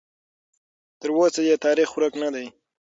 تراوسه یې تاریخ ورک نه دی.